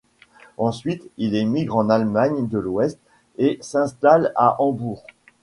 Ensuite il émigre en Allemagne de l'Ouest et s'installe à Hambourg.